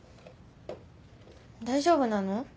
大丈夫なの？